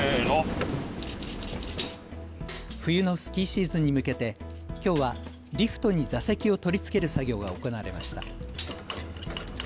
冬のスキーシーズンに向けてきょうはリフトに座席を取り付ける作業が行われました。